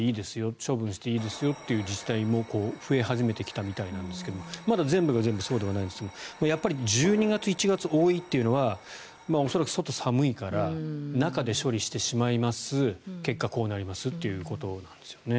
処分していいですよっていう自治体も増え始めてきたみたいなんですけどまだ全部が全部そうではないんですがやっぱり１２月、１月に多いというのは恐らく、外が寒いから中で処理してしまいます結果こうなりますということなんですよね。